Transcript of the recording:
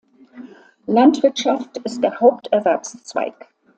Landwirtschaft ist der Haupterwerbszweig.